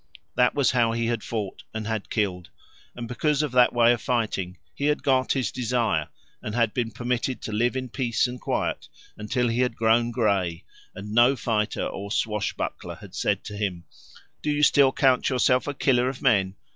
That was how he had fought and had killed, and because of that way of fighting he had got his desire and had been permitted to live in peace and quiet until he had grown grey, and no fighter or swashbuckler had said to him, "Do you still count yourself a killer of men?